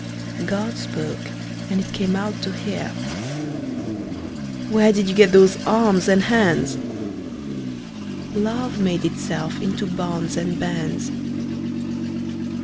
God spoke, and it came out to hear. Where did you get those arms and hands? Love made itself into bonds and bands.